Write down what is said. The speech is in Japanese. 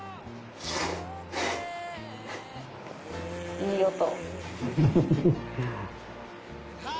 いい音。